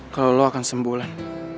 kalau lo akan sembulan